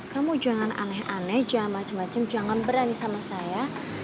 kamu jangan aneh aneh jangan macem macem jangan berani sama saya